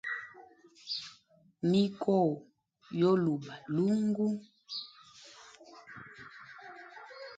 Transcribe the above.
Mikoo yo luba lungu.